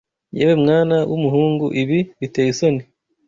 Yewe mwana wumuhungu, ibi biteye isoni.